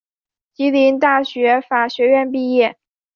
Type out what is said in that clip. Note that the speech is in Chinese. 吉林大学法学院毕业。